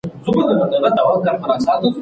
غریبو خلګو خپلي خبري په باطله توګه واوریدې.